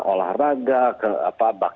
olahraga bakti sosial beliau aktif sekali